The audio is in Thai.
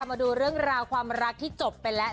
มาดูเรื่องราวความรักที่จบไปแล้ว